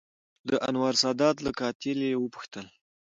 دانور سادات له قاتل یې وپوښتل